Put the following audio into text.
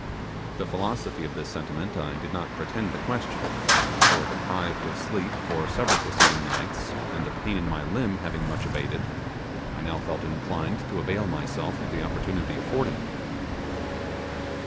The philosophy of this sentiment I did not pretend to question; for deprived of sleep for several preceding nights, and the pain of my limb having much abated, I now felt inclined to avail myself of the opportunity afforded me.